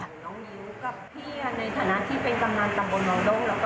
น้องมิ้วกับพี่ในฐานะที่เป็นกำนันตำบลวังโด้ง